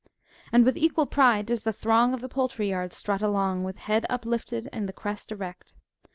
And with equal pride does the throng of the poultry yard strut along, with head uplifted and crest erect.